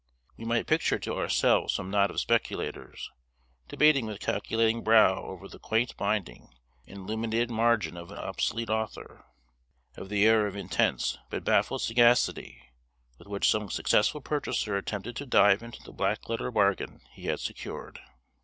We might picture to ourselves some knot of speculators, debating with calculating brow over the quaint binding and illuminated margin of an obsolete author; of the air of intense, but baffled sagacity, with which some successful purchaser attempted to dive into the black letter bargain he had secured.